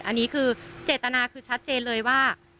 อันนี้คือเจตนาคือชัดเจนเลยว่า